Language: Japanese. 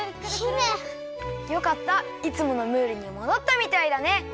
よかったいつものムールにもどったみたいだね。